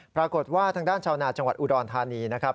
ปรากฏว่าทางด้านชาวนาจังหวัดอุดรธานีนะครับ